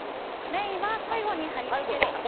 メインは最後に貼り付けます。